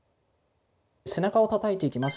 背中をたたいていきます。